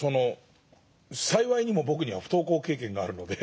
幸いにも僕には不登校経験があるので。